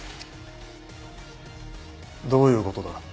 どういうことだ？